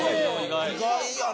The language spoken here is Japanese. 意外やな。